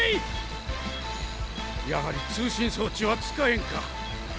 やはり通信装置は使えんか。